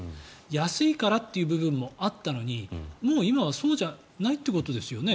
安いからという部分もあったのにもう今はそうじゃないということですよね。